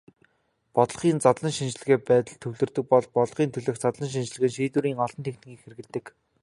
Бодлогын задлан шинжилгээ байдалд төвлөрдөг бол бодлогын төлөөх задлан шинжилгээнд шийдвэрийн олон техникийг хэрэглэдэг.